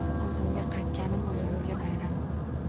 O’zimga qaytganim o’zimga bayram